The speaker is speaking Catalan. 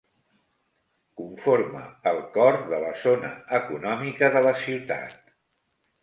Conforma el cor de la zona econòmica de la ciutat.